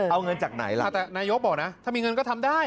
แต่นโยคบอกนะถ้ามีเงินก็ทำได้